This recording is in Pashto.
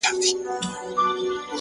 بيا به دا نه وايې چي چا سره خبرې وکړه-